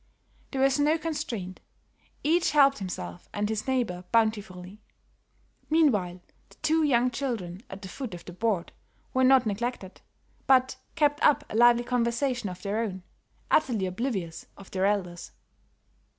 There was no constraint; each helped himself and his neighbor bountifully. Meanwhile, the two young children, at the foot of the board, were not neglected, but kept up a lively conversation of their own, utterly oblivious of their elders.